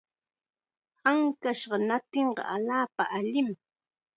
Ankashqa ñatinqa allaapa allim.